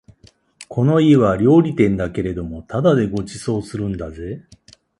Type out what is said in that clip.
この家は料理店だけれどもただでご馳走するんだぜ